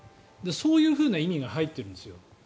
そういう意味が入ってるんです。